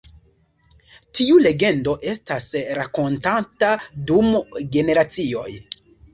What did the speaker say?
Tiu legendo estas rakontata dum generacioj.